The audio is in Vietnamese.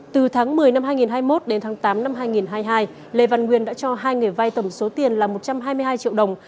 từ tháng một mươi năm hai nghìn hai mươi một đến tháng tám năm hai nghìn hai mươi hai lê văn nguyên đã cho hai người vai tổng số tiền là một trăm hai mươi hai triệu đồng